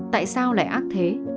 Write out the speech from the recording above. tại sao lại ác thế